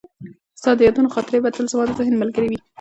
ستا د یادونو خاطرې به تل زما د ذهن ملګرې وي.